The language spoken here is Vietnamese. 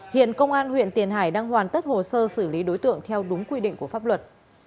hiện công an huyện tiền hải đang hoàn tất hồ sơ xử lý đối tượng theo đúng quy định của pháp luật